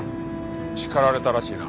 叱られたらしいな。